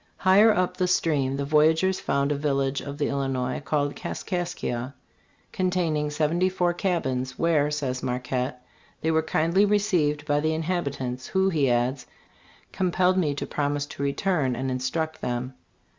Higher up the stream the voyagers found a village of the Illinois called Kaskaskia, containing seventy four cabins, where, says Marquette, they were kindly received by the inhabitants, who, he adds, "compelled me to promise to return and instruct them."